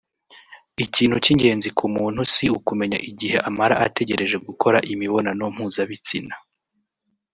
Ikintu cy’ingenzi k’umuntu si ukumenya igihe amara ategereje gukora imibonano mpuzabitsina